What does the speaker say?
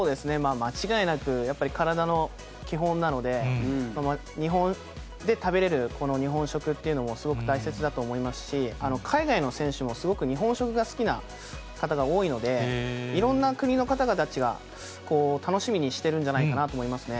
間違いなくやっぱり体の基本なので、日本で食べれるこの日本食っていうのもすごく大切だと思いますし、海外の選手も、すごく日本食が好きな方が多いので、いろんな国の方たちが、楽しみにしてるんじゃないかなと思いますね。